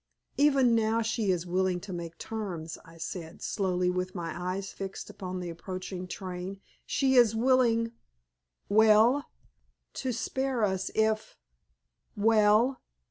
"Even now she is willing to make terms," I said, slowly, with my eyes fixed upon the approaching train. "She is willing " "Well!" "To spare us, if " "Well!"